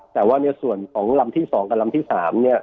แต่ว่าในส่วนของลำที่๒กับลำที่๓เนี่ย